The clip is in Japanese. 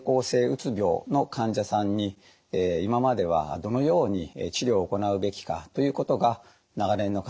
うつ病の患者さんに今まではどのように治療を行うべきかということが長年の課題でした。